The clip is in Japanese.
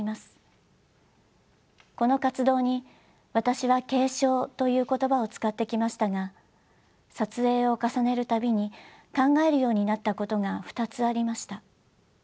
この活動に私は「継承」という言葉を使ってきましたが撮影を重ねる度に考えるようになったことが２つありました。